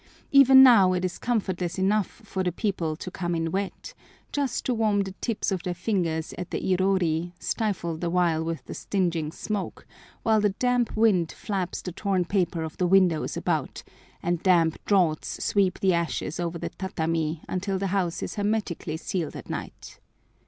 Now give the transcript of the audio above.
Even now it is comfortless enough for the people to come in wet, just to warm the tips of their fingers at the irori, stifled the while with the stinging smoke, while the damp wind flaps the torn paper of the windows about, and damp draughts sweep the ashes over the tatami until the house is hermetically sealed at night.